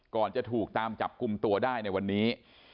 จะถูกตามจับกลุ่มตัวได้ในวันนี้